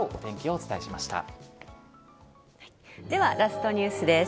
ｆｒｈｓラストニュースです